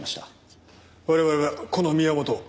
我々はこの宮本を。